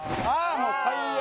もう最悪。